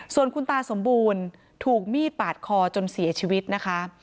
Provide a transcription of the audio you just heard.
ส่วนคุณตาสมบูรณ์ถูกมีดปาดคอจนเสียชีวิตนะคะ